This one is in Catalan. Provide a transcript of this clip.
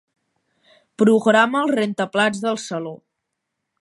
Programa el rentaplats del saló.